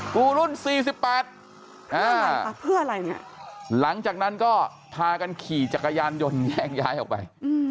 กูรุ่น๔๘เพื่ออะไรปะเพื่ออะไรเนี่ยหลังจากนั้นก็ทากันขี่จักรยานยนต์แย่งย้ายออกไป